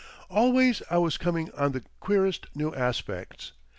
Always I was coming on the queerest new aspects.